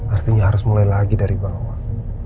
artinya harus mulai lagi dari bawah